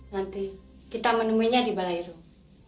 nanti kita menemuinya di balai ruang